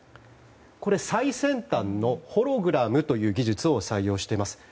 これ、最先端のホログラムという技術を採用しています。